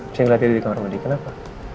bisa ngeliat dia di kamar mandi kenapa